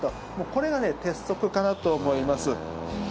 これが鉄則かなと思います。